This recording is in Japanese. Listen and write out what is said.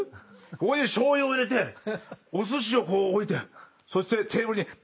ここにしょう油を入れてお寿司を置いてそしてテーブルにパンってやって。